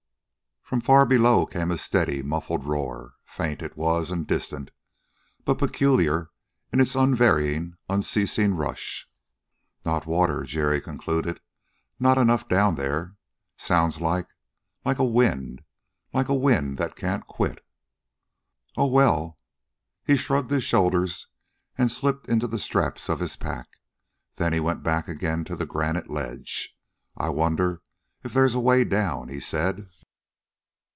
From far below came a steady, muffled roar. Faint it was, and distant, but peculiar in its unvarying, unceasing rush. "Not water," Jerry concluded; "not enough down there. Sounds like like a wind like a wind that can't quit. "Oh well " He shrugged his shoulders and slipped into the straps of his pack. Then he went back again to the granite ledge. "I wonder if there's a way down," he said.